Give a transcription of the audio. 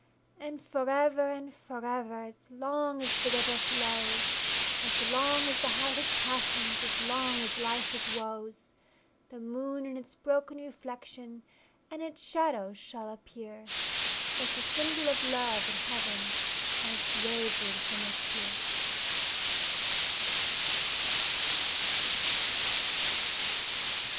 And forever and forever, As long as the river flows, As long as the heart has passions, As long as life has woes; The moon and its broken reflectionAnd its shadows shall appear, As the symbol of love in heaven, And its wavering image here.